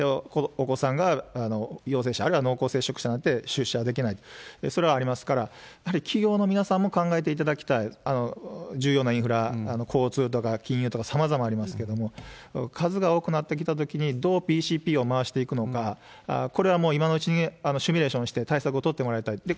お子さんが陽性者、あるいは濃厚接触者になって、出社ができないと、それはありますから、やはり企業の皆さんも考えていただきたい、重要なインフラ、交通とか金融とかさまざまありますけれども、数が多くなってきたときに道ＢＣＰを回していくのか、これはもう、今のうちにシミュレーションして、対策を取ってもらいたい。